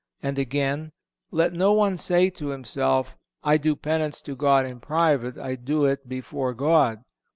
(449) And again: "Let no one say to himself, I do penance to God in private, I do it before God.